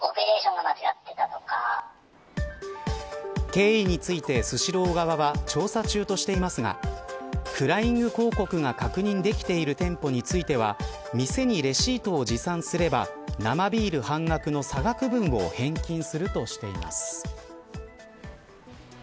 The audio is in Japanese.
経緯についてスシロー側は調査中としていますがフライング広告が確認できている店舗については店にレシートを持参すれば生ビール半額の差額分を返金するとしています。